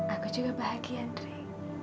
aku juga bahagia ndry